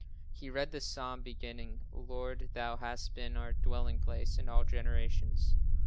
He read the psalm beginning, "Lord, Thou hast been our dwelling place in all generations."